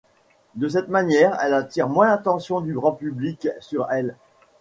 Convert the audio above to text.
De cette manière elle attire moins l’attention du grand public sur elle.